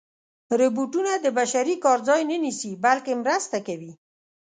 روبوټونه د بشري کار ځای نه نیسي، بلکې مرسته کوي.